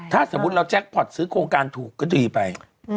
ถ้าสมมุติเราแจ็คพอร์ตซื้อโครงการถูกก็ดีไป